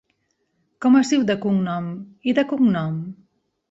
Com es diu de cognom, i de cognom?